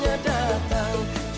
jangan diam diam begitu